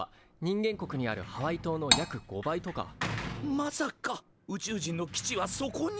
まさか宇宙人の基地はそこに？